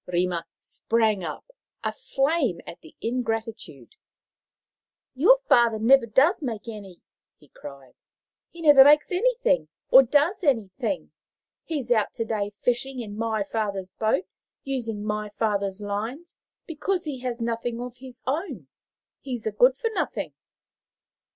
Rima sprang up, aflame at the ingratitude. Your father never does make any," he cried He never makes anything, or does anything. He is out to day fishing in my father's boat, using my father's lines, because he has nothing of his own. He is a good for nothing."